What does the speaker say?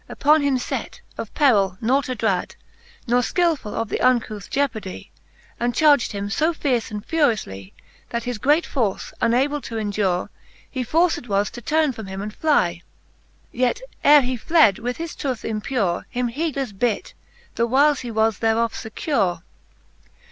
Upon him fet, of perill nought adrad, •Ne fkilfull of the uncouth jeopardy ; And charged him fo fierce and furioufly, That his great force unable to endure. He forced was to turne from him and fly : Yet ere he fled, he with his tooth impure Him heedleffe bit, the whiles he was thereof fecure.